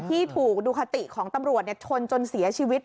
ที่ถูกดูคติของตำรวจชนจนเสียชีวิต